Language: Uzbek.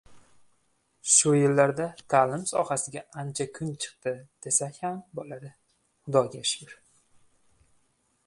Shu yillarda taʼlim sohasiga ancha kun chiqdi desak ham boʻladi, xudoga shukr!